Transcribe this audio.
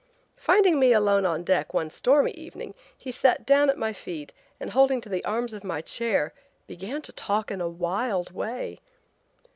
Finding me alone on deck one stormy evening he sat down at my feet and holding to the arms of my chair began to talk in a wild way.